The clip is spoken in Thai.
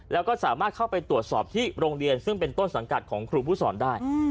แล้วก็สามารถเข้าไปตรวจสอบที่โรงเรียนซึ่งเป็นต้นสังกัดของครูผู้สอนได้